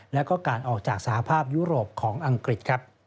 และการออกจากสาธารณ์ภาพยุโรปของอังกฤษ